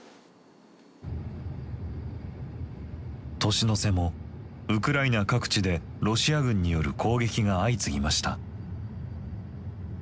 年の瀬もウクライナ各地でロシア軍による攻撃が相次ぎました。